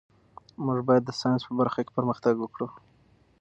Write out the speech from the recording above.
موږ باید د ساینس په برخه کې پرمختګ وکړو.